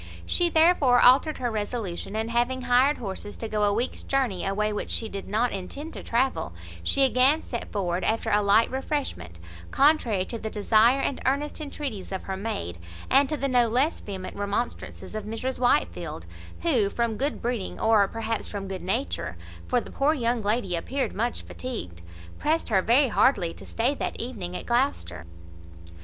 She therefore altered her resolution; and, having hired horses to go a week's journey a way which she did not intend to travel, she again set forward after a light refreshment, contrary to the desire and earnest entreaties of her maid, and to the no less vehement remonstrances of Mrs Whitefield, who, from good breeding, or perhaps from good nature (for the poor young lady appeared much fatigued), pressed her very heartily to stay that evening at Gloucester.